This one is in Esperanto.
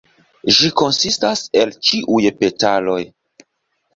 Ĝi konsistas el ĉiuj petaloj.